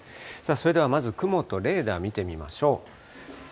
それではまず、雲とレーダー見てみましょう。